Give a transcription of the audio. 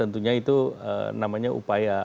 tentunya itu namanya upaya